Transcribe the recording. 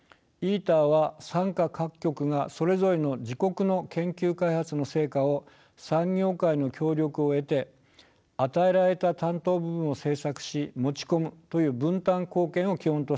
ＩＴＥＲは参加各極がそれぞれの自国の研究開発の成果を産業界の協力を得て与えられた担当部分を製作し持ち込むという分担貢献を基本としています。